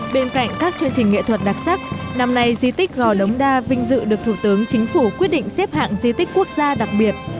bên cạnh các chương trình nghệ thuật đặc sắc năm nay di tích gò đống đa vinh dự được thủ tướng chính phủ quyết định xếp hạng di tích quốc gia đặc biệt